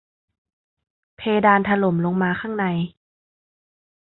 เพดานถล่มลงมาข้างใน